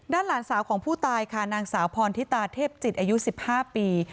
หลานสาวของผู้ตายค่ะนางสาวพรทิตาเทพจิตอายุ๑๕ปี